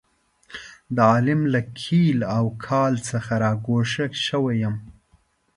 د عالم له قیل او قال څخه را ګوښه شوی یم.